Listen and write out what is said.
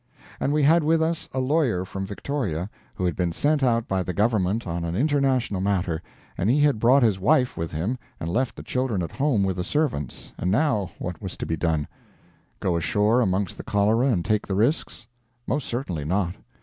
And we had with us a lawyer from Victoria, who had been sent out by the Government on an international matter, and he had brought his wife with him and left the children at home with the servants and now what was to be done? Go ashore amongst the cholera and take the risks? Most certainly not.